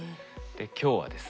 で今日はですね